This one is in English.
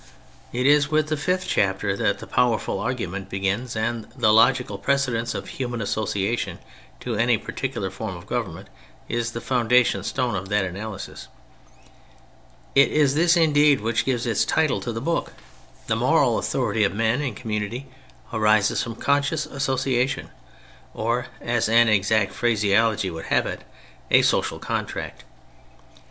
It is with the fifth chapter that the powerful argument begins, and the logical precedence of human association to any particular form of government is the founda tion stone of that analysis. It is this indeed which gives its title to the book : the moral authority of men in community arises from conscious association ; or, as an exact phrase ology would have it, a " social contract."